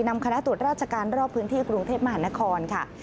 นำคณะตรวจราชการรอบพื้นที่กรุงเทพมหานครค่ะ